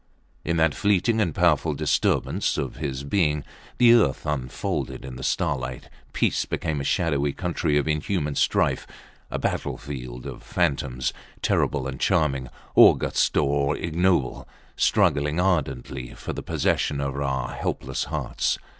In that fleeting and powerful disturbance of his being the earth enfolded in the starlight peace became a shadowy country of inhuman strife, a battle field of phantoms terrible and charming, august or ignoble, struggling ardently for the possession of our helpless hearts.